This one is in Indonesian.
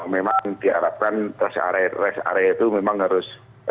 memang diharapkan rest area itu memang harus